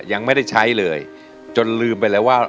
ยังไม่ได้ใช้เลยจนลืมไปแล้วว่า